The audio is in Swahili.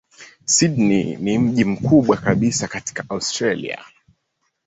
Sydney ni mji mkubwa kabisa katika Australia.